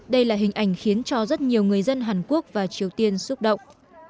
đây là hình ảnh khiến cho rất nhiều người dân hàn quốc và triều tiên xúc động